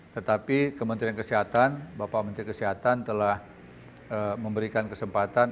tetapi kementerian kesehatan bapak menteri kesehatan telah memberikan kesempatan